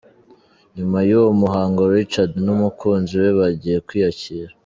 Nyuma y'uwo muhango Richard n'umukunzi we bagiye kwiyakira.